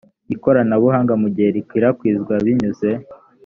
ikoranabuhanga mu gihe rikwirakwizwa binyuze